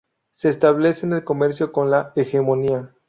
Se establece el comercio con la "Hegemonía".